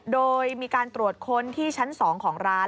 โดยมีการตรวจค้นที่ชั้น๒ของร้าน